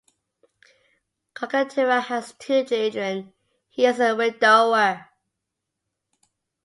Carcaterra has two children; he is a widower.